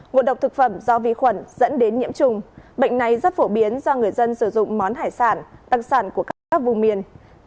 ngộ độc thực phẩm do vi khuẩn dẫn đến nhiễm trùng bệnh này rất phổ biến do người dân sử dụng món hải sản đặc sản của các vùng miền